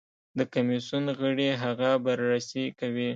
د کمېسیون غړي هغه بررسي کوي.